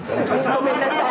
ごめんなさい。